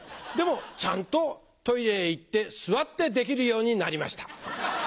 でもちゃんとトイレへ行って座ってできるようになりました。